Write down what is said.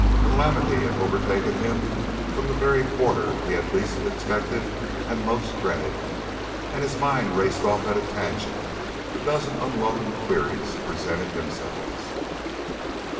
Calamity had overtaken him from the very quarter he had least expected and most dreaded, and his mind raced off at a tangent; a dozen unwelcome queries presented themselves.